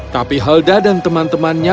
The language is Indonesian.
tapi helda dan teman temannya